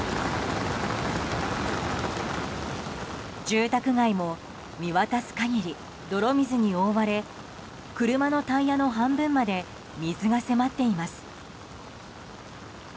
住宅街も見渡す限り泥水に覆われ車のタイヤの半分まで水が迫っています。